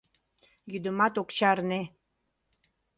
Йӱдымат ок чарне...